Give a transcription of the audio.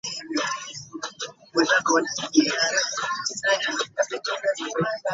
The species is endemic to South Asia and parts of Southeast Asia.